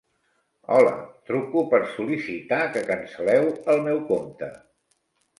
Hola, truco per sol·licitar que cancel·leu el meu compte.